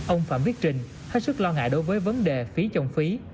ông phạm viết trình hết sức lo ngại đối với vấn đề phí trồng phí